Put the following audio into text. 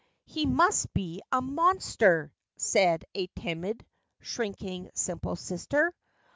" He must be a monster !" said a Timid, shrinking, simple sister.